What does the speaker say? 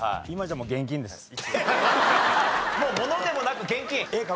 もう物でもなく現金？